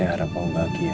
saya harap kamu bahagia ya